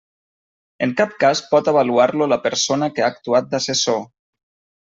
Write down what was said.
En cap cas pot avaluar-lo la persona que ha actuat d'assessor.